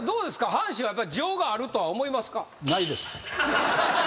阪神は情があるとは思いますか？